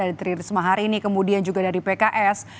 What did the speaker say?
ada tririsma hari ini kemudian juga dari pks